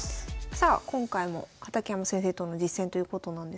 さあ今回も畠山先生との実戦ということなんですが。